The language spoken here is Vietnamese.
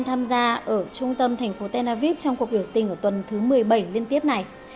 tham gia ở trung tâm thành phố tel aviv trong cuộc biểu tình ở tuần thứ một mươi bảy liên tiếp này